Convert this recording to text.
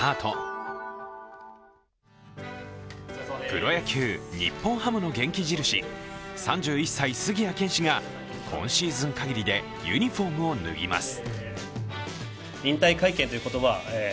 プロ野球、日本ハムの元気印、３１歳、杉谷拳士が今シーズンかぎりでユニフォームを脱ぎます。